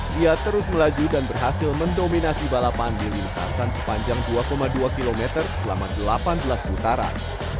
dia terus melaju dan berhasil mendominasi balapan di lintasan sepanjang dua dua km selama delapan belas putaran